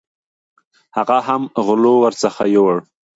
هغه هم غلو ورڅخه یوړې.